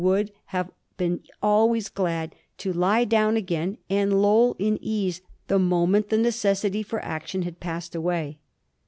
would have been always glad to lie down again and loll in ease the moment the necessity for action had passed away.